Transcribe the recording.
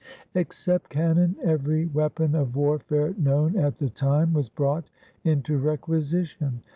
Except cannon every weapon of warfare known at the time was brought into requisition.